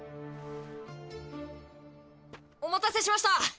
お待たせしました。